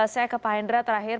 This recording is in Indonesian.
saya ke pak hendra terakhir